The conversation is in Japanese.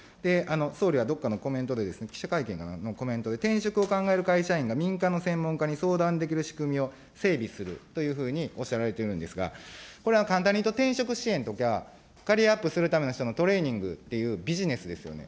総理はどっかのコメントで、記者会見のコメントで、転職を考える会社員が民間の専門家に相談できる仕組みを整備するというふうにおっしゃられているんですが、これは簡単にいうと、転職支援とか、キャリアアップするための人のトレーニングというか、ビジネスですよね。